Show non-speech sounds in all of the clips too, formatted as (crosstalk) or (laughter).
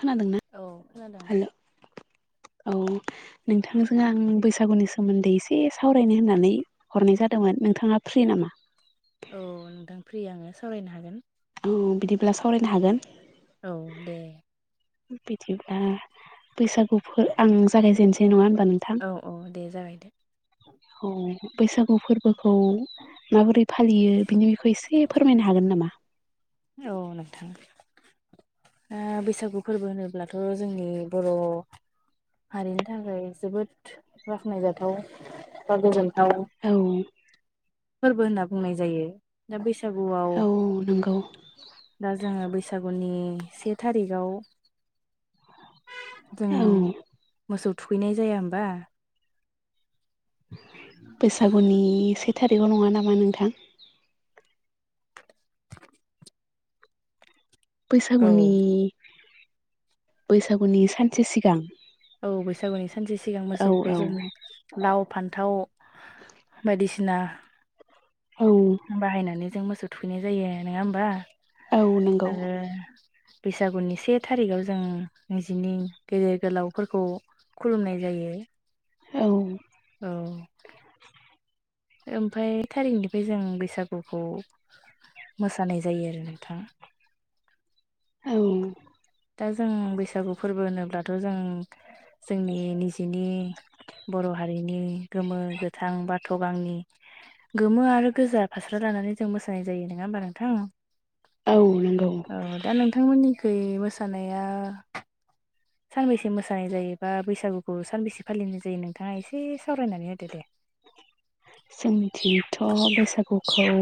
खोनादोंना औ खोनादों। हेल' औ। नोंथांजों आं बैसागुनि सोमोन्दै एसे सावरायनो होननानै हरनाय जादोंमोन। नोंथाङा फ्रि नामा? औ नोंथां फ्रि आङो सावरायनो हागोन। औ बिदिब्ला सावरायनो हागोन। औ दे। बिदिब्ला बैसागुफो आं जागायजेनसै नङा होम बा नोंथां? औ औ दे जागायदो औ। बैसागु फोरबोखौ माबोरै फालियो बिनि बिखय एसे फोरमायनो हागोन नामा? औ नोंथां। ओ बैसागु फोरबो होनोब्लाथ' जोंनि बर' हारिनि थाखाय जोबोद बाख्नायजाथाव बा गोजोनथाव औ फोरबो होनना बुंनाय जायो दा बैसागुआव औ नंगौ दा जोङो बैसाग गुनि से थारिखआव जों औ मोसौ थुखैनाय जाया होमबा? बैसागुनि से थारिखाव नङा नामा नोंथां? औ बैसागुनि बैसागुनि सानसे सिगां। औ बैसागुनि सानसे सिगां औ मोसौखौ औ जों लाव फान्थाव बायदिसिना औ बाहायनानै जों मोसौ थुखैनाय जायो नोङा होनबा? औ नंगौ आरो बैसागुनि से थारिखाव जों निजिनि गेदेर गोलावफोरखौ खुलुमनाय जायो। औ। ओमफाय थारिखनिफ्राय जों बैसागुखौ मोसानाय जायो आरो नोंथां। औ। दा जों बैसागु फोरबो होनोब्लाथ' जों जोंनि निजेनि बर' हारिनि गोमो-गोथां बाथ' गांनि गोमो आरो गोजा फास्रा ला नानै जों मोसानाय जायो। नोङा होमबा नोंथां? औ नंगौ औ दा नोंथांमोननिखै मोसानाया सानबेसे मोसानाय जायो बा बैसागुखौ सानबेसे फालिनाय जायो नोंथाङा एसे सावरायनानै होदो दे। जोंनिथिंथ' बैसागुखौ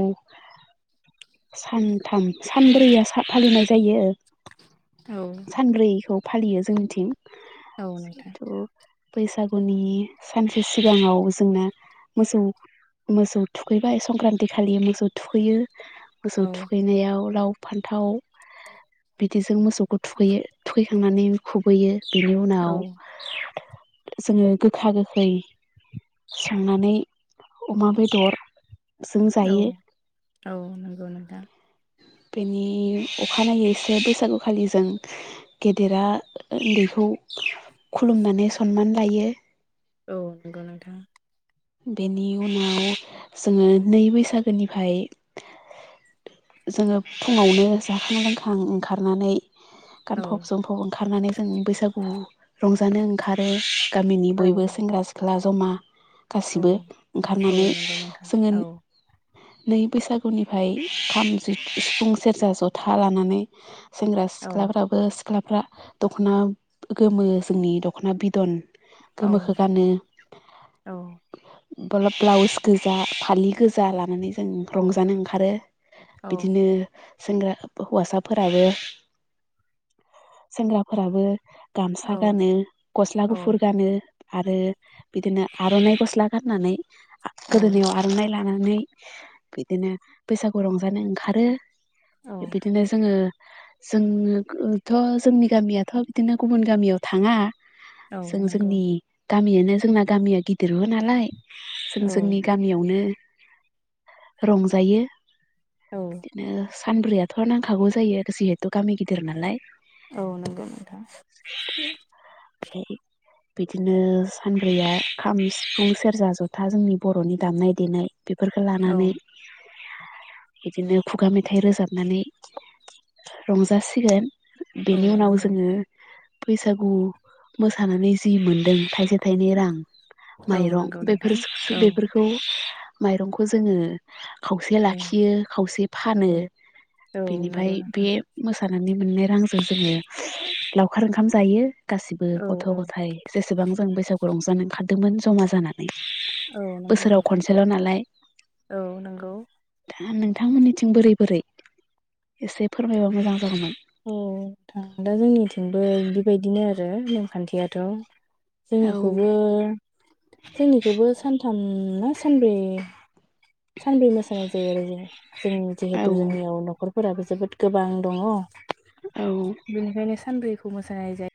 सानथाम सानब्रैया फालिनाय जायो। (inaudible) सानब्रैखौ फालियो जोंनिथिं औ नोंथां जिहेथु बैसागुनि सानसे सिगाङाव जोंना मोसौ मोसौ थुखैबाय संक्रान्ति खालि मोसौ थुखैयो। मोसौ औ थुखैनायाव लाव फान्थाव बिदिजों मोसौखौ थुखैयो थुखैखांनानै खुबैयो बेनि औ उनाव जोङो गोखा गोखै संनानै अमा बेदर औ औ नंगौ नोंथां बेनि अखानायै एसे बैसागुखालि जों गेदेरा उन्दैखौ खुलुमनानै सनमान लायो औ नंगौ नोंथां बेनि उनाव जोङो नै बैसागोनिफाय जोङो फुङावनो जाखां लोंखां ओंखारनानै औ गानफब जोमफब ओंखारनानै जों बैसागु रंजानो ओंखारो गामिनि औ बयबो सेंग्रा सिख्ला जमा औ गासिबो औ ओंखारनानै नंगौ नोंथां जोङो औ नै बैसागुनिफाय खाम सिफुं सेरजा जथा लानानै सेंग्रा औ सिख्लाफ्राबो सिख्लाफ्रा दखना गोमो जोंनि दखना बिदन औ गोमोखौ औ बोला ब्लाउस गोजा फालि गोजा लानानै जों औ रंजानो ओंखारो बिदिनो सेंग्रा हौवासाफोराबो सेंग्राफोराबो गामसा गानो गस्ला औ गुफुर गानो आरो बिदिनो आरनाइ गस्ला गाननानै औ गोदोनायाव आरनाइ लानानै बिदिनो बैसागु रंजानो ओंखारो औ बिदिनो जोङो जोङो गो थ जोंनि गामियाथ बिदिनो गुबुन गामियाव थाङा औ जों नंगौ जोंनि गामियानो जोंना गामिया गिदिरबो नालाय जों औ जोंनि गामियावनो रंजायो औ बिदिनो सानब्रैयाथ नांखागौ जायो जिहेथु गामि गिदिर नालाय औ नंगौ नोंथां ओमफ्राय बिदिनो सानब्रैया खाम सिफुं सेरजा जथा जोंनि बरनि दामनाय देनाय बेफोरखौ औ लानानै बिदिनो खुगा मेथाइ रोजाबनानै रंजासिगोन औ बेनि उनाव नंगौ जोङो बैसागु मोसानानै जि मोनदों थाइसे थायनै रां औ माइरं नंगौ बेफोर नोंथां औ बेफोरखौ माइरंखौ जोङो खावसे औ लाखियो खावसे औ फानो औ बेनिफ्राय नंगौ बे नोंथां मोस सानानै मोननाय रांजों जोङो लावखार ओंखाम जायो गासिबो औ गथ औ गथाइ जेस सेबां जों बैसागु रंजानो ओंखारदोंमोन जमा जानानै औ नंगौ बोसोराव नोंथां खनसेल नालाय औ नंगौ दा नों नोंथांमोननिथिं बोरै बोरै एसे फोरमायबा मोजां जागौमोन औ नोंथां दा जोंनिथिंबो बेबायदिनो आरो नेमखान्थियाथ औ जोंनिखौबो जोंनिखौबो सानथाम ना सानब्रै सानब्रै मोसानाय जायो आरो जों जों जिहेतु औ जोंनियाव नखर फोराबो जोबोद गोबां दङ औ बेनिखायनो सानब्रैखौ मोसानाय जा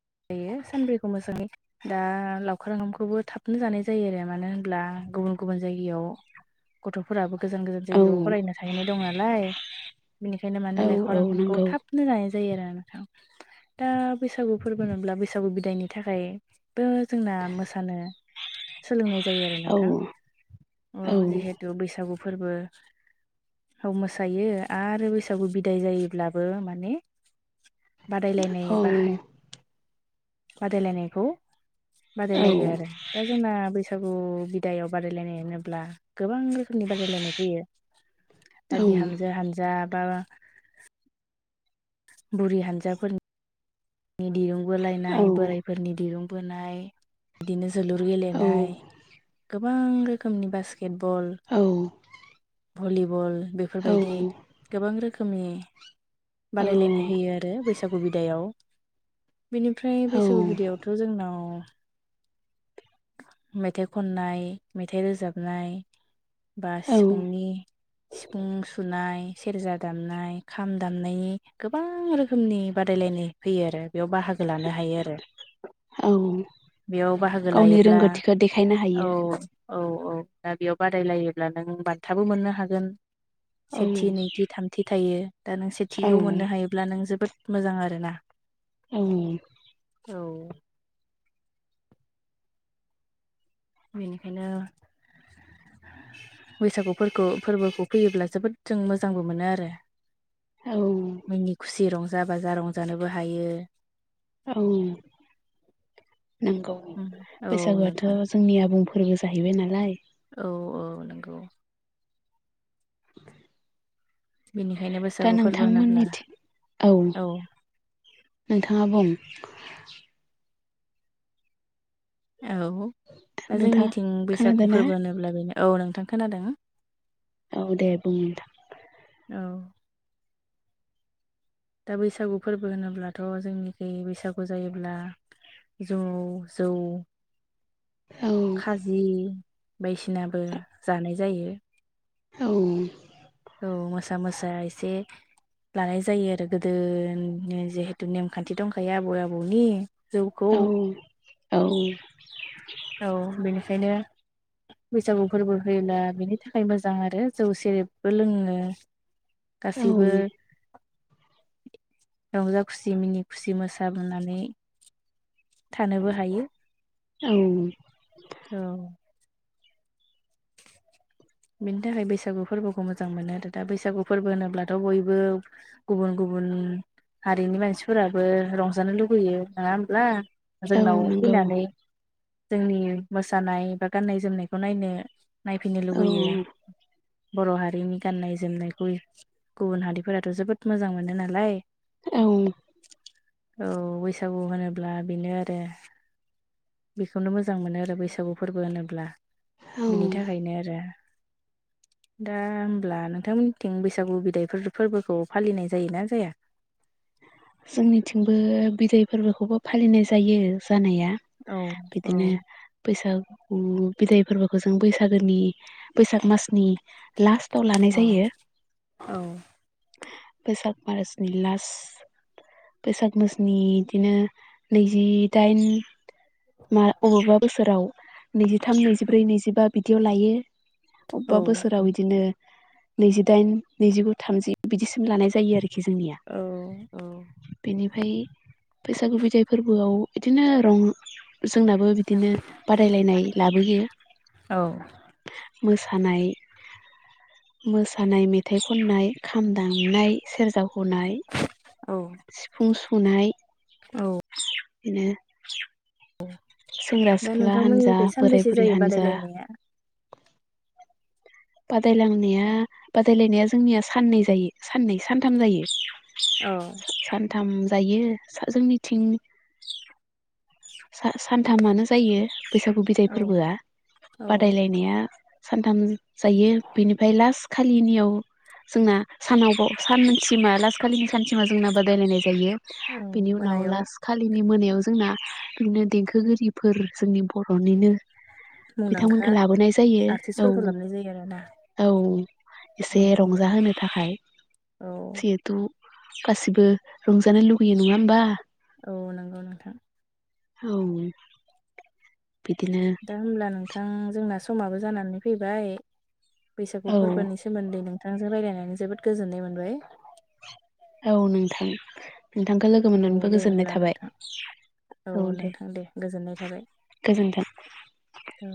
(inaudible) सानब्रैखौ मोजाङै दा लावखार ओंखामखौबो थाबनो जानाय जायो आरो मानो होनब्ला गुबुन गुबुन जायगायाव गथफोराबो। गोजान गोजान जायगायाव औ फरायनो थायैनाय दं नालाय बेनिखायनो माने औ लायखर औ ओंखामखौ नंगौ थाबनो जानाय। जायो आरो नोंथां दा बैसागु फोरबो बुङोब्ला बैसागु बिदायनि थाखायबो जोंना मोसानो। सोलोंनाय जायो आरो औ नोंथां औ अ जिहेथु बैसागु फोरबो। औ मोसायो आरो बैसागु बिदाय जायोब्लाबो माने। बादायलायनाय औ बाहाय बादायलायनायखौ औ बादायलायो आरो दा जोंना बैसागु बैसागु बिदायाव बादायलायनाय होनोब्ला। गोबां रोखोमनि बादायलायनाय फैयो दा औ बिहामजो हानजा बा बुरि हानजाफोरनिनि दिरुं बोलायनाय बोरायफोरनि दिरुं बोनाय बिदिनो जोलुर गेलेनाय गोबां रोखोमनि बास केटबल भलिबल औ बेफोरबायदि गोबां रोखोम रोखोमनि बादायलायनाय होयो आरो बैसागु बिदायाव बिनिफ्राय औ बैसागु बिदैआवथ' जोंनाव। मेथाइ खननाय मेथाइ रोजाबनाय। बा सिफुंनि सिफुं सुनाय। सेरजा दामनाय खाम दामनायनि गोबां रोखोमनि बादायलायनाय फैयो आरो। बेयाव बाहागो लानो हायो आरो औ बेयाव बाहागो लायो। गावनि औ रोंगौथिखौ देखायनो हायो औ औ दा बेयाव बादायलायोब्ला नों बान्थाबो मोननो हागोन। औ सेथि नैथि थामथि थायो दा नों औ सेथिखौ मोननो हायोब्ला नों जोबोद मोजां आरोना। औ औ बेनिखायनो बैसागुफोरखौ फोरबोखौ फैयोब्ला जोबोद जों मोजांबो मोनो आरो। औ मिनि खुसि रंजा बाजा रंजानोबो हायो। औ नंगौ औ बैसागुआथ' नोंथां जोंनि आबुंफोर फोरबो जाहैबाय नालाय। औ औ नोंगौ। बेनिखायनो दा बैसागु फोरबो होनोब्ला नोंथांमोननि औ नोंथाङा बुं औ दा नोंथाङा जोंनिथिं बैसागु खोनादोंना फोरबो होनोब्ला बेनो औ नोंथां खोनादों। औ दे बुं। औ दा बैसागु फोरबो होनोब्लाथ' जोंनिखै बैसागु जायोब्ला। जौ जौ खाजि बायदिसिनाबो जानाय जायो। औ औ मोसा मोसा एसे लानाय जायो आरो गोदोनि जिहेतु नेमखान्थि दंखायो आबै आबौनि। जौखौ औ औ औ बेनिखायनो बैसागु फोरबो फयोब्ला बेनि थाखाय मोजां। मोजां आरो जौ सेरेबबो लोङो गासैबो। रंजा खुसि मिनि खुसि मोसाबोनानै। थानोबो हायो। औ औ बिनि थाखाय बैसागु फोरबोखौ मोजां मोनो आरो दा बैसागु फोरबो होनोब्लाथ' बयबो गुबुन गुबुन गुबुन हारिनि मानसिफोराबो रंजानो लुुबैयो, नङा होमब्ला? औ जोंनाव नंगौ फैनानै जोंनि मोसानाय बा गाननाय जोमनायखौ नायनो नायफैनो औ लुुबैयो बर' हारिनि गाननाय जोमनायखौ गुबुन हारिफोराथ' जोबोद मोजां मोनो नालाय। औ औ बैसागु होनोब्ला बेनो आरो। बेखौनो मोजां मोनो आरो बैसागु फोरबो होनोब्ला औ बिनि थाखायनो आरो। (inaudible) दा होमब्ला नोंथांमोननिथिं बैसागु बिदायफोर फोरबोखौ फालिनाय जायोना जाया? जोंनिथिंबो बिदाय फोरबोखौबो फालिनाय जायो जानाया। औ औ बिदिनो बैसाग बिदाय फोरबोखौ जों बैसागोनि बैसाग मासनि लास्त औ औ बैसाग मारासनि लास्ट बैसाग मोसनि बिदिनो नैजिदाइन मा अबेबा बोसोराव नैजिथाम नैजिब्रै नैजिबा बिदियाव लायो। अबेबा बोसोराव बिदिनो नैजिदाइन नैजिगु थामजि बिदिसिम लानाय जायो आरोखि। जखि जोंनिया बेनिफ्राय बैसागु बिदाय फोरबोआव बिदिनो रं जोंनाबो बिदिनो बादायलायनाय लाबोयो। औ मोसानाय मोसानाय मेथाइ खननाय खाम दामनाय सेरजा हनाय औ सिफुं सुनाय औ बिनो सेंग्रा दा सिख्ला हान्जा नोंथांमोननिखै बोराय सानबेसे बुरि जायो हान्जा बादायलायनाया? बादायलांनाया बादायलायनाया जोंनिया साननै जायो साननै सानथाम जायो। औ थाम जायो जोंनिथिं सानथामानो जायो बैसागु बिदाय औ फोरबोआ औ बादायलायनाया। सानथाम जायो बेनिफ्राय लास्ट खालिनियाव जोंना सानावब सानसिमा लासखालिनि सानसिमा जोंना बादायलायनाय जायो। औ बेनि उनाव मोनायाव लास्ट खालिनि मोनायाव जोंना बिदिनो देंखोगिरिफोर जोंनि बर'निनो मुंदांखा बिथांमोनखौ लाबोनाय जायो औ आर्टिस्टफोरखौ लाबोनाय जायो आरोना औ। एसे औ रंजा औ होनो थाखाय जिहेथु गासिबो रंजानो लुुबैयो नङा होमबा? औ नंगौ नोंथां। औ बिदिनो दा होमब्ला नोंथां जोंना समाबो जानानै फैबाय। बैसागु औ फोरबोनि सोमोन्दै नोंथांजों रायलायनानै जोबोद गोजोननाय मोनबाय। औ नोंथां नोंथांखौ लोगो औ मोननानैबो दे गोजोननाय होमब्ला थाबाय। नोंथां औ दे नोंथां गोजोननाय थाबाय गोजोन्थों। औ